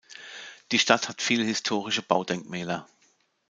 Die Stadt hat viele historische Baudenkmäler.